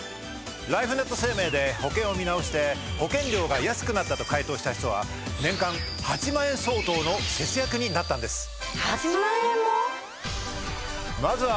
ライフネット生命で保険を見直して保険料が安くなったと回答した人は年間８万円相当の節約になったんです。